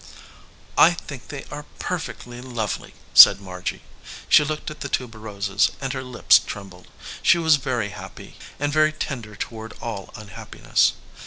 "I think they are perfectly lovely," said Margy. She looked at the tuberoses, and her lip trembled. 95 EDGEWATER PEOPLE She was very happy, and very tender toward all unhappiness.